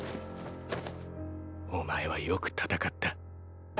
お前はよく戦った。